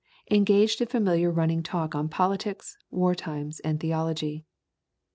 Engaged in familiar running talk on politics, war times, and theology.